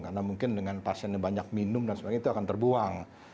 karena mungkin dengan pasien yang banyak minum dan sebagainya itu akan terbuang